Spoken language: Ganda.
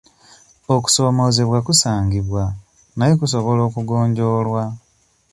Okusoomoozebwa kusangibwa naye era kusobola okugonjoolwa.